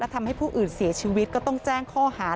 ทำให้ผู้อื่นเสียชีวิตก็ต้องแจ้งข้อหา